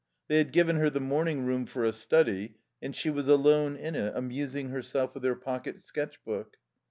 They had given her the morning room for a study, and she was alone in it, amusing herself with her pocket sketch book.